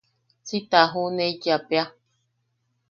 Si ta juʼuneiyapea.